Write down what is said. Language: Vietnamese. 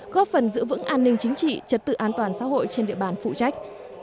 góp phần giữ vững an ninh chính trị trật tự an toàn xã hội trên địa bàn phụ trách